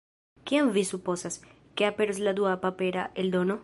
Kiam vi supozas, ke aperos la dua papera eldono?